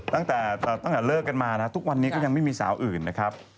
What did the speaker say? ตั้งแต่เลิกกันมานะทุกวันนี้ก็ยังไม่มีสาวอื่นนะครับ